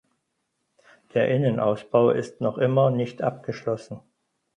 Der Innenausbau ist noch immer nicht abgeschlossen.